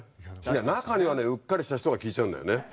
中にはねうっかりした人が聴いちゃうんだよね。